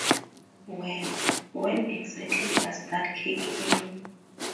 Well, when exactly does that kick in?